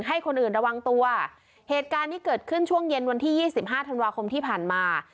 ให้คนอื่นระวังตัวเหตุการณ์ที่เกิดขึ้นช่วงเย็นวันที่ยี่สิบห้าธันวาคมที่ผ่านมา